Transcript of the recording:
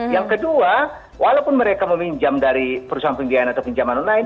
yang kedua walaupun mereka meminjam dari perusahaan pembiayaan atau pinjaman online